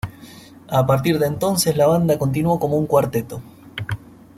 A partir de entonces la banda continuó como un cuarteto.